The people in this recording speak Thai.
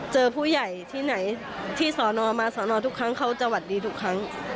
เจอผู้ใหญ่ที่ไหนที่สอนอมาสอนอทุกครั้งเขาจะหวัดดีทุกครั้ง